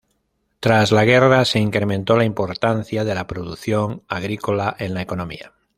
Tras la guerra se incrementó la importancia de la producción agrícola en la economía.